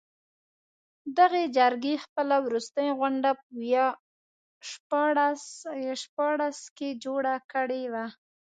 دغې جرګې خپله وروستۍ غونډه په ویا شپاړس کې جوړه کړې وه.